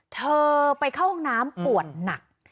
เธอไปเข้าห้องน้ำปวดหนัก